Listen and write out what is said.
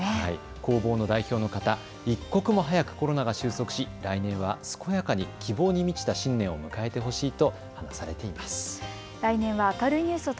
工房の代表の方、一刻も早くコロナが収束し来年は健やかに希望に満ちた新年を迎えてほしいと話されていました。